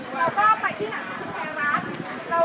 เราก็ไปที่หลักสุดแถมรัก